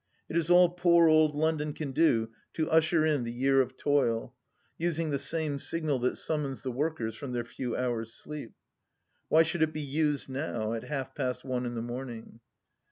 It is all poor old London can do to usher in the year of toil — using the same signal that summons the workers from their few hours' sleep. Why should it be used now — at half past one in the morning